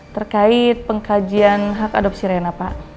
terkait pengkajian hak adopsi rena pak